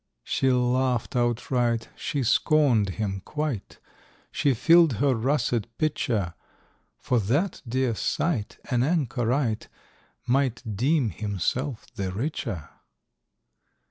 She laugh'd outright, she scorn'd him quite, She fill'd her Russet Pitcher;— For that dear sight an anchorite Might deem himself the richer.